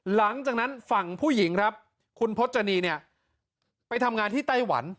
หลังจากนั้นฝั่งผู้หญิงครับคุณพจนีเนี่ยไปทำงานที่ไต้หวัน